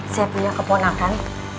saya punya keponakan